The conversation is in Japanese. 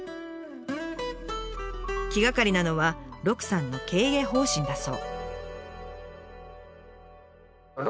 気がかりなのは鹿さんの経営方針だそう。